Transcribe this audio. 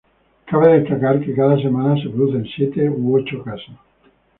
Cabe destacar que cada semana se producen siete u ocho casos.